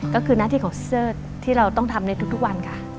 ก็คือหน้าที่ของเซอร์ที่เราต้องทำในทุกวันค่ะ